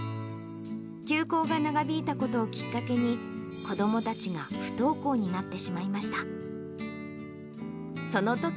休校が長引いたことをきっかけに、子どもたちが不登校になってしまいました。